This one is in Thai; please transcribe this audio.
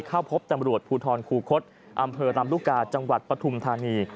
เข้าพบตำรวจภูทรคูคศอำเภอลำลูกกาจังหวัดปฐุมธานี